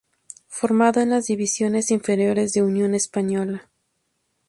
Formado en las divisiones inferiores de Unión Española.